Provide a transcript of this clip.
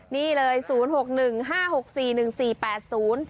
นี่เลยศูนย์หกหนึ่งห้าหกสี่หนึ่งสี่แปดศูนย์